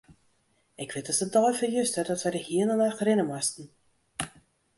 Ik wit as de dei fan juster dat wy de hiele nacht rinne moasten.